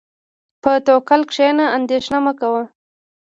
په توکل کښېنه، اندېښنه مه کوه.